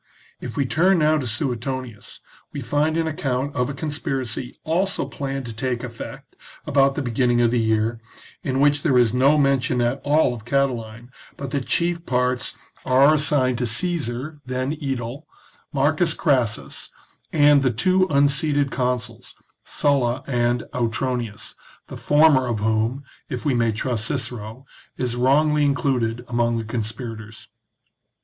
If we turn now to Suetonius, we find an account of a conspiracy, also planned to take effect about the beginning of the year, in which there is no mention at all of Catiline, but the chief parts are assigned to Caesar, then aedile, Marcus Crassus, and the two un seated consuls, Sulla and Autronius, the former of whom, if we may trust Cicero, is wrongly included among the conspirators.